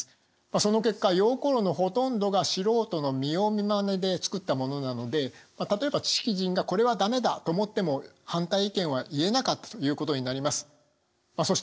その結果溶鉱炉のほとんどが素人の見よう見まねで作ったものなので例えば知識人がこれは駄目だと思っても反対意見は言えなかったということになります。